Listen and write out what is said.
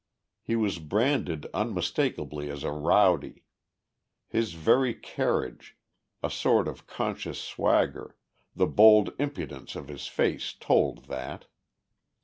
He was branded unmistakably as a rowdy; his very carriage, a sort of conscious swagger, the bold impudence of his face told that.